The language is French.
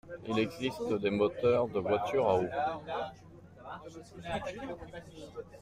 Il existe des moteurs de voiture à eau.